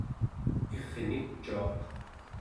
irnicuaq